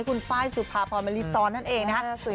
คุณป้ายสุภาพรมริซรนั่นเองนะครับ